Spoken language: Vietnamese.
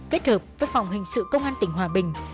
kết hợp với phòng hình sự công an tỉnh hòa bình